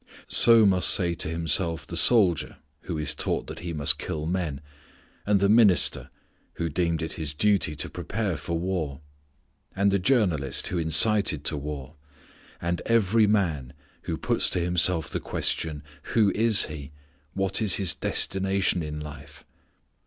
So must say to himself the soldier, who is taught that he must kill men, and the minister, who deemed it his duty to prepare for war, and the journalist who incited to war, and every man, who puts to himself the question, Who is he, what is his destination in life?